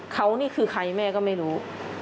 เขานี่คือใครแม่ก็ไม่รู้